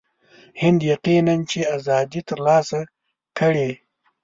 هند یقیناً چې آزادي ترلاسه کړي.